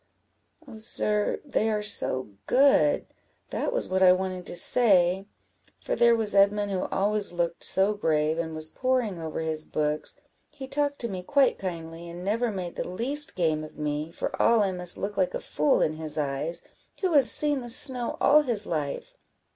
"Oh, sir, they are so good! that was what I wanted to say; for there was Edmund who always looked so grave, and was poring over his books, he talked to me quite kindly, and never made the least game of me, for all I must look like a fool in his eyes, who has seen the snow all his life.